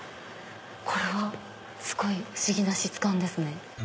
これはすごい不思議な質感ですね。